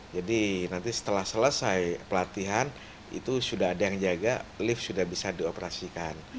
jadi nanti setelah selesai pelatihan itu sudah ada yang jaga lift sudah bisa dioperasikan